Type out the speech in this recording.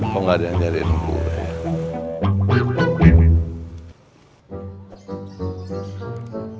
kok nggak ada yang nyariin gue